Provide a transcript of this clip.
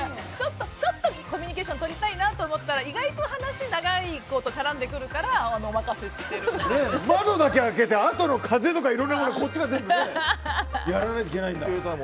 ちょっとコミュニケーションとりたいなと思ったら意外と話長いこと絡んでくるから窓だけ開けてあとの風とかこっちが全部やらないといけない。